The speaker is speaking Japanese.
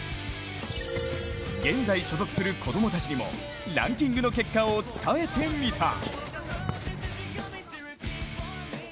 現在所属する子供たちにもランキングの結果を伝えてみた。